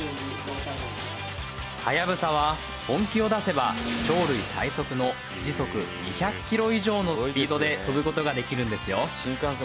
ハヤブサは本気を出せば鳥類最速の時速２００キロ以上のスピードで飛ぶことができるんですよ